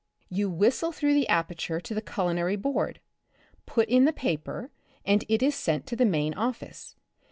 " You whistle through the aperture to the Culinary Board, put in the paper, and it is sent to the main office.